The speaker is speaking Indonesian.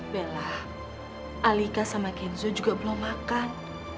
bella alika sama kenzo juga belum makan